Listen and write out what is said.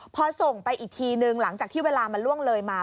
พอส่งไปอีกทีนึงหลังจากที่เวลามันล่วงเลยมา